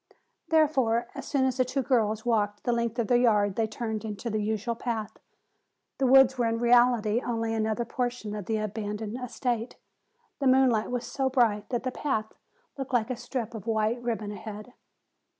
Therefore, as soon as the two girls walked the length of their yard they turned into the usual path. The woods were in reality only another portion of the abandoned estate. The moonlight was so bright that the path looked like a strip of white ribbon ahead.